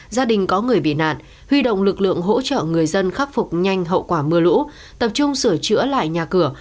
gia đình có người bị nạn huy động lực lượng hỗ trợ người dân khắc phục nhanh hậu quả mưa lũ tập trung sửa chữa lại nhà cửa